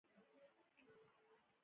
نن د باچا د لور وار دی.